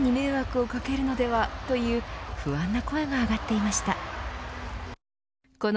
動き回って周囲に迷惑をかけるのではという不安の声が上がっていました。